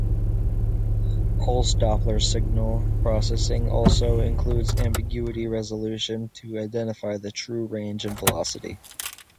Pulse-Doppler signal processing also includes ambiguity resolution to identify true range and velocity.